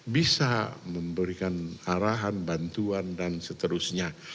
bisa memberikan arahan bantuan dan seterusnya